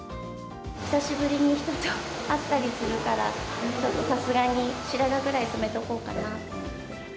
久しぶりに人と会ったりするから、ちょっとさすがに白髪ぐらい染めておこうかなと思って。